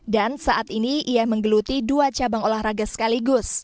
dan saat ini ia menggeluti dua cabang olahraga sekaligus